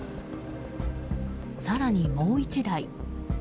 更にもう１台。